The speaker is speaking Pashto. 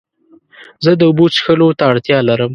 زه د اوبو څښلو ته اړتیا لرم.